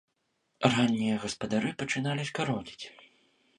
Раннія гаспадары пачыналі скародзіць.